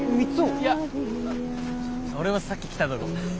いや俺もさっき来たとご。